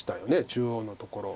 中央のところ。